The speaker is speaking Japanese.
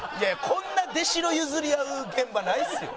こんな弟子の譲り合う現場ないっすよ。